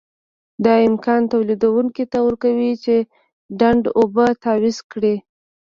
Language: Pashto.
دا امکان تولیدوونکي ته ورکوي چې د ډنډ اوبه تعویض کړي.